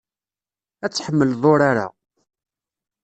Ad tḥemmleḍ urar-a.